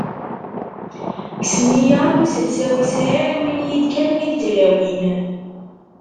Kksen-iyi akk iselsa-w i sɛiɣ, iwin-iyi-d kan wid n tlawin.